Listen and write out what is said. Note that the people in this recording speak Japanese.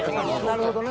なるほどね。